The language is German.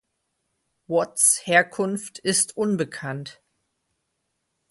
Watts Herkunft ist unbekannt.